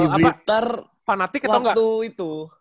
di blitar waktu itu